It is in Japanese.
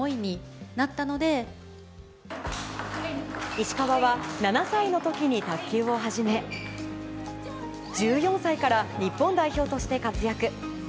石川は７歳の時に卓球を始め１４歳から日本代表として活躍。